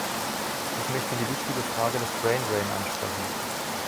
Ich möchte die wichtige Frage des Braindrain ansprechen.